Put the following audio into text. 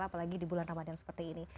apalagi di bulan ramadan seperti ini